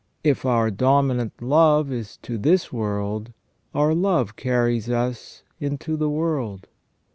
If our dominant love is to this world, our love carries us into the world.